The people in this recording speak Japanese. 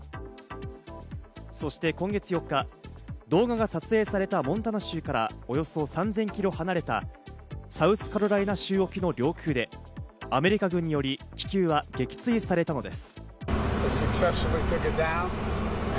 そして今月４日、動画が撮影されたモンタナ州からおよそ３０００キロ離れたサウスカロライナ州沖の領空でアメリカ軍により気球は撃墜されたのです。